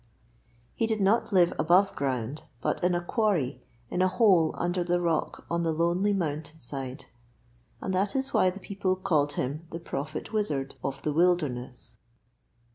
He did not live above ground, but in a quarry, in a hole under the rock on the lonely mountain side, and that is why the people called him the Prophet Wizard of the Wilderness.